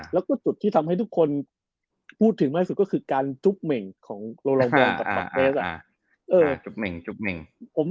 แล้วก็จุดที่ทำให้ทุกคนพูดถึงมากสุดก็คือการจุ๊บเหม่งของโลลองบอลกับเบส